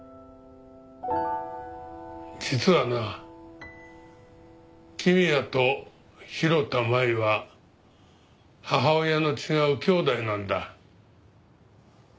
実はな公也と広田舞は母親の違う兄妹なんだ。